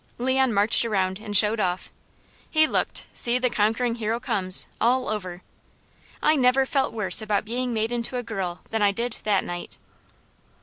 Leon marched around and showed off; he looked "See the conquering hero comes," all over. I never felt worse about being made into a girl than I did that night.